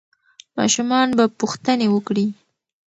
ماشومان به پوښتنې وکړي.